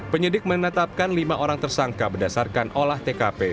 penyidik menetapkan lima orang tersangka berdasarkan olah tkp